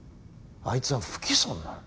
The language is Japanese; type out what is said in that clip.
あいつは不起訴になる。